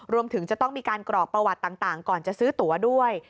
รวมถึงจะต้องมีการกรอกประวัติต่างก่อนจะซื้อตัวด้วย